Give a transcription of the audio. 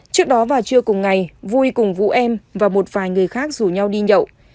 trước đó vào trưa cùng ngày vui cùng vũ em và một vài người khác rủ nhau đi nhậu